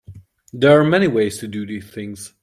There are many ways to do these things.